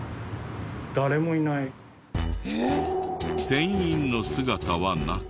店員の姿はなく。